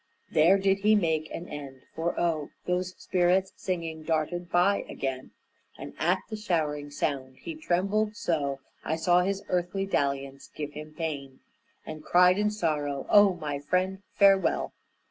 There did he make an end, for O Those spirits, singing, darted by again, And at the showering sound he trembled so I saw his earthly dalliance gave him pain, And cried in sorrow, "O my friend, farewell!